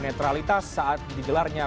netralitas saat digelarnya